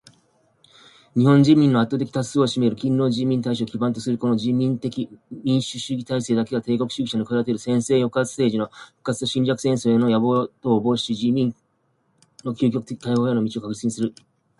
日本人民の圧倒的多数を占める勤労人民大衆を基盤とするこの人民的民主主義体制だけが帝国主義者のくわだてる専制抑圧政治の復活と侵略戦争への野望とを防止し、人民の窮極的解放への道を確実にする。